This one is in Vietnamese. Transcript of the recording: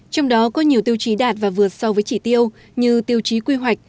trong đó có nhiều tiêu chí đạt và vượt so với chỉ tiêu như tiêu chí quy hoạch